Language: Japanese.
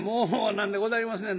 なんでございますね